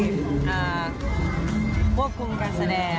ควบคุมการแสดง